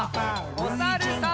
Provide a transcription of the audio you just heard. おさるさん。